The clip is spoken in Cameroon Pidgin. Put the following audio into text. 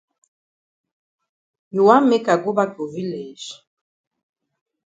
You wan make I go bak for village?